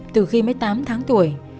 từ khi mới tám tháng tuổi